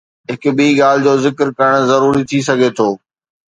هڪ ٻي ڳالهه جو ذڪر ڪرڻ ضروري ٿي سگهي ٿو.